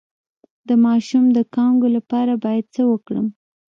د ماشوم د کانګو لپاره باید څه وکړم؟